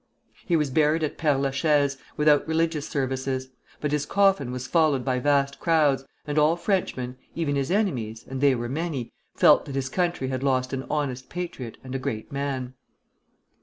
He was buried at Père la Chaise, without religious services; but his coffin was followed by vast crowds, and all Frenchmen (even his enemies, and they were many) felt that his country had lost an honest patriot and a great man.